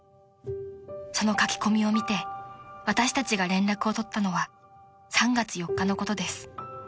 ［その書き込みを見て私たちが連絡を取ったのは３月４日のことです］